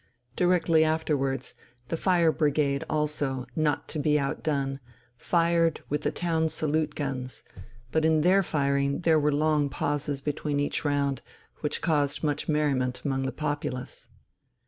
Directly afterwards the fire brigade also, not to be outdone, fired with the town salute guns; but in their firing there were long pauses between each round, which caused much merriment among the populace.